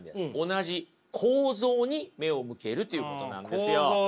同じ構造に目を向けるということなんですよ。